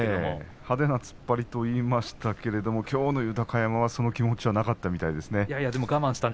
派手な突っ張りといいましたがきょうの豊山はそういう気持ちはなかったようですね。